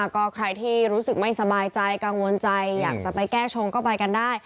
ก็ใครที่รู้สึกไม่สบายใจกังวลใจอยากจะไปแก้ชงก็ไปกันได้